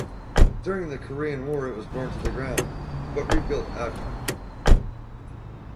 During the Korean War it was burnt to the ground, but rebuilt after.